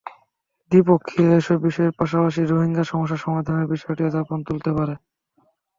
দ্বিপক্ষীয় এসব বিষয়ের পাশাপাশি রোহিঙ্গা সমস্যা সমাধানের বিষয়টিও জাপান তুলতে পারে।